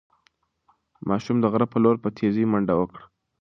ماشوم د غره په لور په تېزۍ منډه کړه.